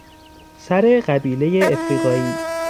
سر قبیلهی افریقایی